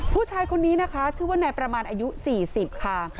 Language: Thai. ผู้ชายคนนี้นะคะชื่อว่านายประมาณอายุ๔๐ค่ะ